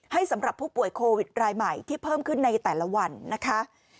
สำหรับผู้ป่วยโควิดรายใหม่ที่เพิ่มขึ้นในแต่ละวันนะคะ